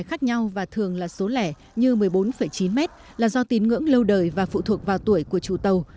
khác nhau và thường là số lẻ như một mươi bốn chín mét là do tín ngưỡng lâu đời và phụ thuộc vào tuổi của chủ tàu